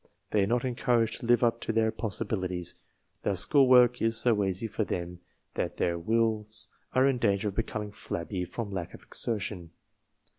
They are not encouraged to live up to their possibilities. Their school work is so easy for them that their wills are in danger of becoming flabby from lack of exertion.